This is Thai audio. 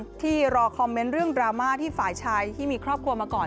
ที่รอคอมเมนต์เรื่องดราม่าที่ฝ่ายชายที่มีครอบครัวมาก่อน